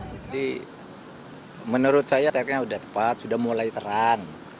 jadi menurut saya terangnya sudah tepat sudah mulai terang